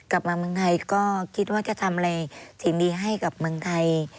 กลับมาเมืองไทยก็คิดว่าจะทำอะไรสิ่งดีให้กับเมืองไทย